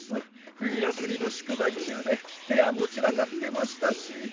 冬休みの宿題中で部屋も散らかってましたし。